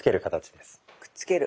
くっつける。